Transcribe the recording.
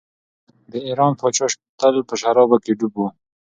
د ایران پاچا تل په شرابو کې ډوب و.